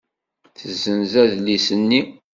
Tessenz adlis-nni.